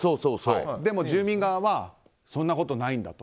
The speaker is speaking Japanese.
でも住人側はそんなことないんだと。